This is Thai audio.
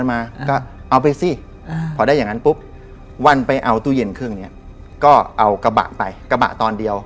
ไม่ซื้อ